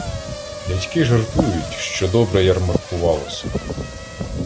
Дядьки жартують, що добре "ярмаркувалося".